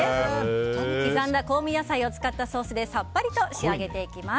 刻んだ香味野菜を使ったソースでさっぱりと仕上げていきます。